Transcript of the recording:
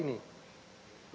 dan tugas ini